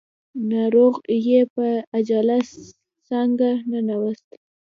ناروغ يې په عاجله څانګه ننوېست.